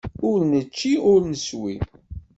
Ur nečči, ur neswi.